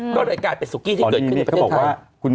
โดยการเป็นสุกีที่เกิดขึ้นในประชุมไทย